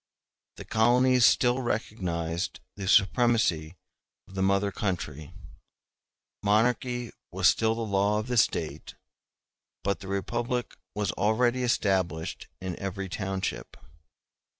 The colonies still recognized the supremacy of the mother country; monarchy was still the law of the State; but the republic was already established in every township.